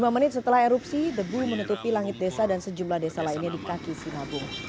lima menit setelah erupsi debu menutupi langit desa dan sejumlah desa lainnya di kaki sinabung